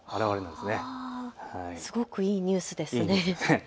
すごくいいニュースですね。